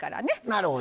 なるほど。